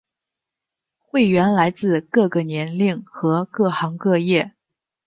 会员来自各个年龄和各行各业。